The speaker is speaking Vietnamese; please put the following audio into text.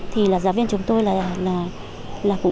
thì giáo viên chúng tôi là